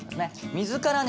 水からね